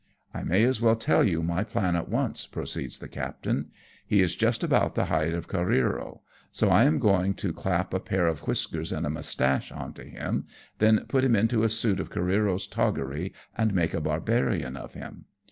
I may as well tell you my plan at once," proceeds the captain. " He is just about the height of Careero, so I am going to clap a pair of whiskers and a moustache on to him, then put him into a suit of Careero's toggery and make a Barbarian of him.